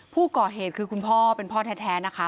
ผู้ก่อเหตุคือคุณพ่อเป็นพ่อแท้นะคะ